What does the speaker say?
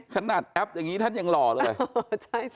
แอปอย่างนี้ท่านยังหล่อเลย